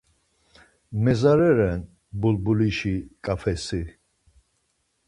Mezare ren bulbulişi ǩafesi